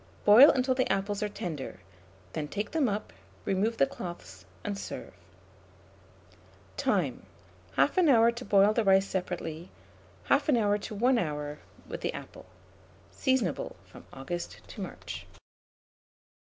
Boil until the apples are tender; then take them up, remove the cloths, and serve. Time. 1/2 hour to boil the rice separately; 1/2 to 1 hour with the apple. Seasonable from August to March.